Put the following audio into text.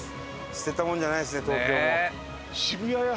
捨てたもんじゃないですね東京も。